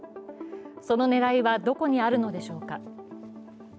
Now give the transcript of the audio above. その狙いは、どこにあるのでしょうか。